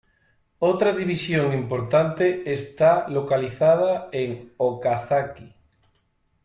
Otra división importante está localizada en Okazaki.